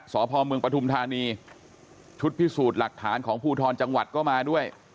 สพเมืองปฐุมธานีชุดพิสูจน์หลักฐานของภูทรจังหวัดก็มาด้วย